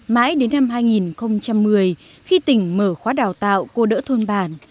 mãi đến năm hai nghìn một mươi khi tỉnh mở khóa đào tạo cô đỡ thôn bản